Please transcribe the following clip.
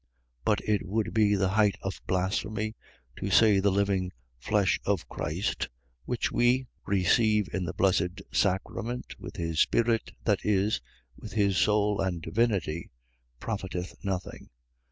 But it would be the height of blasphemy, to say the living flesh of Christ (which we receive in the blessed sacarament, with his spirit, that is, with his soul and divinity) profiteth nothing.